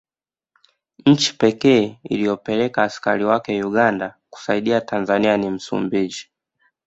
Nchi pekee iliyopeleka askari wake Uganda kuisaidia Tanzania ni Msumbiji